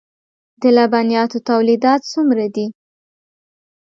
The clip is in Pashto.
د لبنیاتو تولیدات څومره دي؟